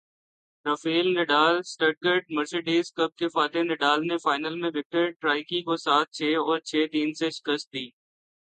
Rafale Nadal Stuttgart Mercedes cup کے فاتح Nadal نے فائنل میں وکٹر ٹرائیکی کو سات چھے اور چھے تین سے شکست دی